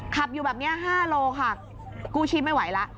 ขับอยู่แบบนี้๕โลค่ะกู้ชีพไม่ไหวแล้ว